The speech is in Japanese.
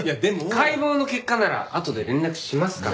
解剖の結果ならあとで連絡しますから。